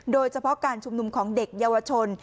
โดยเฉพาะการชุมนุมของเด็กเยาวชน